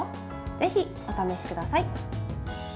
ぜひ、お試しください。